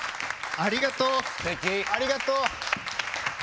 ありがとう！